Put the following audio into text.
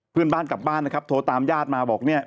เพื่อนบ้านกลับบ้านนะครับโทรตามญาติมาบอกเนี่ย